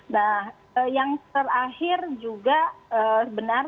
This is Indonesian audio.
nah yang terakhir juga benar